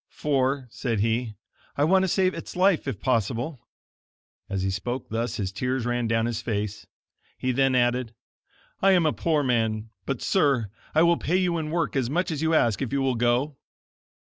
"For," said he, "I want to save its life, if possible." As he spoke thus his tears ran down his face. He then added: "I am a poor man; but, Sir, I will pay you in work as much as you ask if you will go."